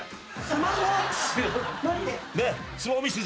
スマホ。